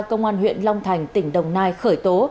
công an huyện long thành tỉnh đồng nai khởi tố